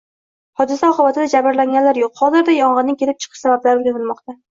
Hodisa oqbatida jabrlanganlar yo‘q. Hozirda yong‘inning kelib chiqish sabablari o‘rganilmoqda